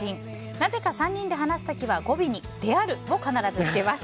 なぜか３人で話す時は語尾に「である」を必ずつけます。